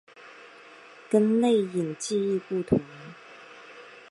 跟内隐记忆不同。